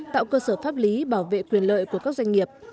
tạo cơ sở pháp lý bảo vệ quyền lợi của các doanh nghiệp